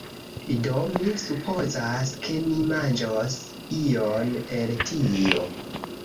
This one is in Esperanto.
Do, mi supozas, ke ni manĝos ion el tio